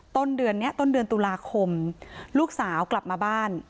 ต้นเดือนนี้ต้นเดือนตุลาคมลูกสาวกลับมาบ้าน